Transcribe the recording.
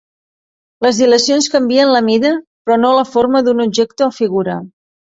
Les dilacions canvien la mida però no la forma d'un objecte o figura.